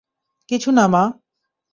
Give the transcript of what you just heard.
কিছু না, মা।